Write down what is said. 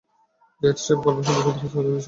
জাহিদ সাহেব গল্প শুনে হাসতে হাসতে বিষম খেলেন।